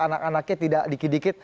anak anaknya tidak dikit dikit